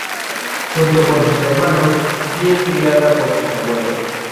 Junto con sus hermanos die criada por sus abuelos.